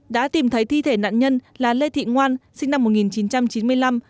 đã tìm thấy thi thể nạn nhân là lê thị ngoan sinh năm một nghìn chín trăm chín mươi năm